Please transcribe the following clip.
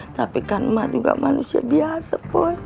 tapi kan emak juga manusia biasa po